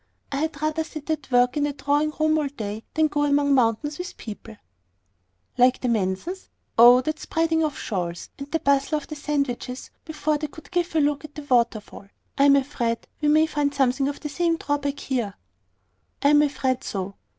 I had rather sit at work in a drawing room all day, than go among mountains with people " "Like the Mansons; Oh, that spreading of shawls, and bustle about the sandwiches, before they could give a look at the waterfall! I am afraid we may find something of the same drawback here." "I am afraid so."